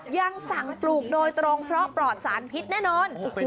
ยังสั่งปลูกโดยตรงเพราะปลอดสารพิษแน่นอน